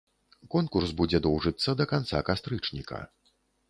Конкурс будзе доўжыцца да канца кастрычніка.